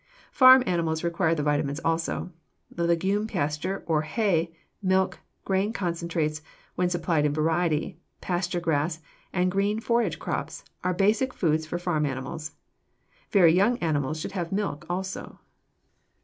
Farm animals require the vitamins also. The legume pasture or hay, milk, grain concentrates when supplied in variety, pasture grass, and green forage crops are basic foods for farm animals. Very young animals should have milk also.